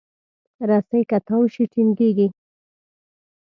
رسۍ که تاو شي، ټینګېږي.